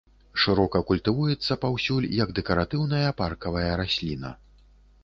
Шырока культывуецца паўсюль як дэкаратыўная паркавая расліна.